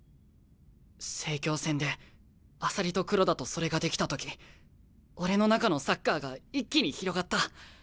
成京戦で朝利と黒田とそれができた時俺の中のサッカーが一気に広がった。